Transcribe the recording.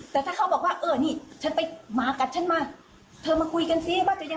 แต่ถ้าเขาบอกว่าเออนี่ฉันไปหมากัดฉันมาเธอมาคุยกันซิว่าจะยัง